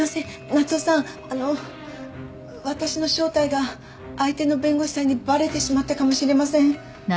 夏雄さんあの私の正体が相手の弁護士さんにバレてしまったかもしれません。